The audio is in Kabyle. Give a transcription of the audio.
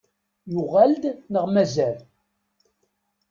Yuɣal-d neɣ mazal?